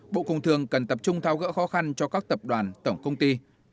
bộ công thường cần tập trung thao gỡ khó khăn cho các tập đoàn tổng công ty